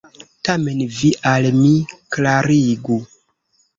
Tamen vi al mi klarigu!